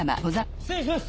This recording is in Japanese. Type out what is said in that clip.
失礼します！